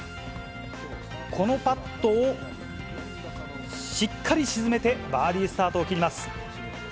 このパットをしっかり沈めてバーディースタートを切ります。